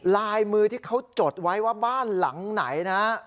ลายมือที่เขาจดไว้ว่าบ้านหลังไหนนะ